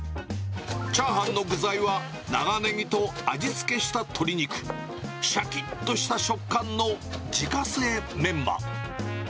チャーハンの具材は長ネギと味付けした鶏肉、しゃきっとした食感の自家製メンマ。